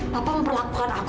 papa memperlakukan aku